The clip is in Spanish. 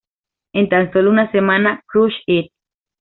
En tan solo una semana "Crush It!